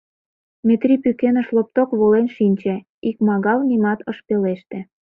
Метрий пӱкеныш лопток волен шинче, икмагал нимат ыш пелеште.